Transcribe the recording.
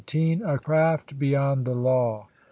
A CRAFT BEYOND THE LAW.